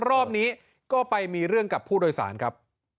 รอบนี้ก็ไปมีเรื่องกับผู้โดยสารครับ